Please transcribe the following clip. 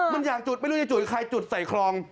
มันอยากจุดไม่รู้จะจุดใครจุดใส่คลอง